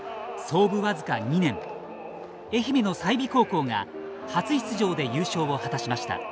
創部わずか２年愛媛の済美高校が初出場で優勝を果たしました。